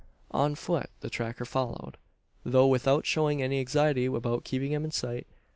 On foot the tracker followed; though without showing any anxiety about keeping him in sight.